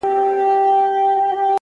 پر ځان باور نیمه بریا ده,